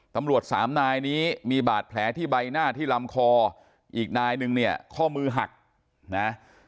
ตำรวจสามนายนี้มีบาดแผลที่ใบหน้าที่ลำคออีกนายนึงเนี่ยข้อมือหักนะ